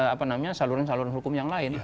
apa namanya saluran saluran hukum yang lain